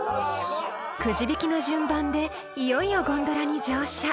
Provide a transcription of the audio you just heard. ［くじ引きの順番でいよいよゴンドラに乗車］